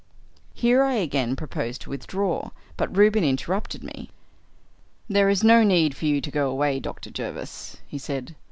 Here I again proposed to withdraw, but Reuben interrupted me. "There is no need for you to go away, Dr. Jervis," he said.